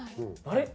「あれ？